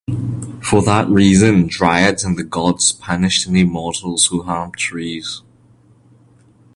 For that reason, dryads and the gods punished any mortals who harmed trees.